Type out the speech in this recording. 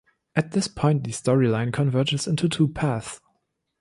At this point, the storyline converges into two paths.